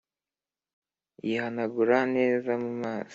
yihanagura neza mumaso